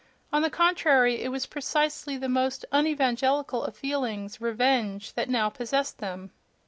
On the contrary, it was precisely the most unevangelical of feelings, revenge, that now possessed them.